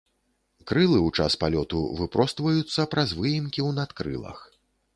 Крылы ў час палёту выпростваюцца праз выемкі ў надкрылах.